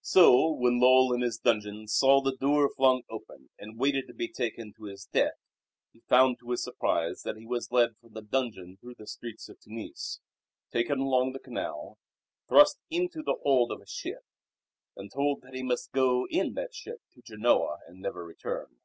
So when Lull in his dungeon saw the door flung open and waited to be taken to his death he found to his surprise that he was led from the dungeon through the streets of Tunis, taken along the canal, thrust into the hold of a ship, and told that he must go in that ship to Genoa and never return.